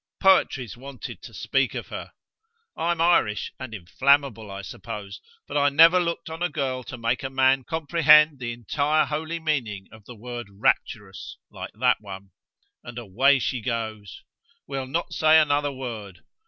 Poetry's wanted to speak of her. I'm Irish and inflammable, I suppose, but I never looked on a girl to make a man comprehend the entire holy meaning of the word rapturous, like that one. And away she goes! We'll not say another word.